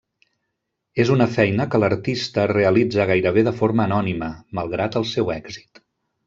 És una feina que l'artista realitza gairebé de forma anònima, malgrat el seu èxit.